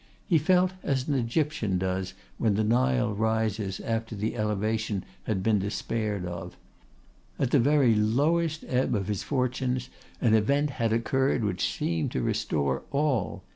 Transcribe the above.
He felt as an Egyptian does when the Nile rises after its elevation had been despaired of. At the very lowest ebb of his fortunes, an event had occurred which seemed to restore all.